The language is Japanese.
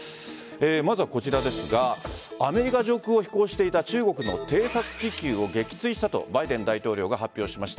まずはこちらですがアメリカ上空を飛行していた中国の偵察気球を撃墜したとバイデン大統領が発表しました。